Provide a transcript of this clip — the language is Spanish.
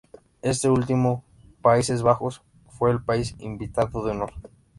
Este último, Países Bajos, fue el país invitado de honor.